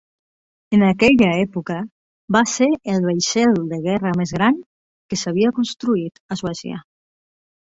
En aquella època, va ser el vaixell de guerra més gran que s'havia construït a Suècia.